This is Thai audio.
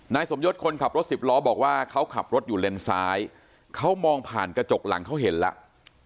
สมยศคนขับรถสิบล้อบอกว่าเขาขับรถอยู่เลนซ้ายเขามองผ่านกระจกหลังเขาเห็นแล้ว